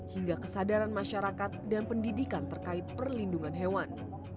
hingga kesadaran masyarakat dan pendidikan terkait perlindungan hewan